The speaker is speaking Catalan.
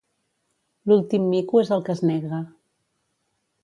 L'últim mico és el que es nega.